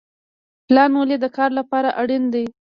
پلان ولې د کار لپاره اړین دی؟